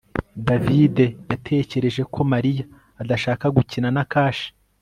davide yatekereje ko mariya adashaka gukina na kashe